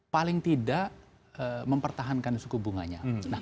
paling tidak mempertahankan suku bunganya